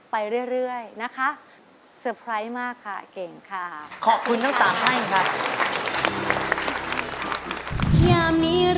ไปเรื่อยเรื่อยนะคะสเซอร์ไพรส์มากค่ะเก่งค่ะขอบคุณน้องสาวให้ค่ะ